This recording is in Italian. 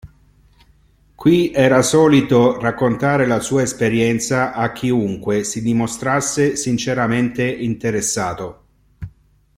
Qui era solito raccontare la sua esperienza a chiunque si dimostrasse sinceramente interessato.